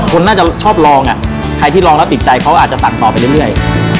คนน่าจะชอบลองอ่ะใครที่ลองแล้วติดใจเขาอาจจะสั่งต่อไปเรื่อย